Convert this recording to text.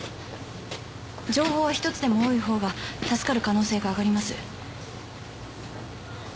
情報は一つでも多い方が助かる可能性が上がります。